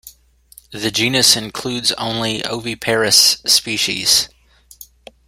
The genus includes only oviparous species.